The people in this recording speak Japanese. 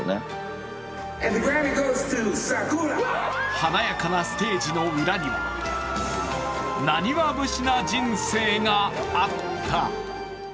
華やかなステージの裏には浪花節な人生があった。